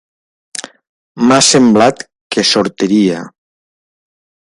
M'ha semblat que sortiria.